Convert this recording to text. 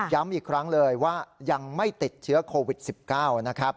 อีกครั้งเลยว่ายังไม่ติดเชื้อโควิด๑๙นะครับ